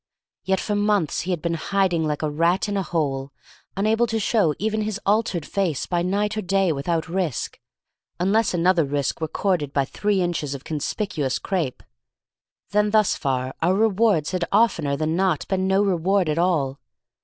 Yet for months he had been hiding like a rat in a hole, unable to show even his altered face by night or day without risk, unless another risk were courted by three inches of conspicuous crepe. Then thus far our rewards had oftener than not been no reward at all.